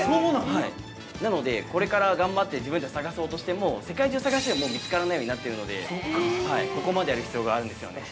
なので、これから頑張って自分たちで探そうとしても、世界中探しても見つからないようになっているので、ここまでやる必要があるんですよね。